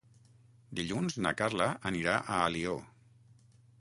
Dilluns na Carla anirà a Alió.